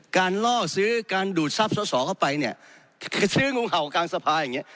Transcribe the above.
ล่อซื้อการดูดทรัพย์สอสอเข้าไปเนี่ยคือซื้องูเห่ากลางสภาอย่างนี้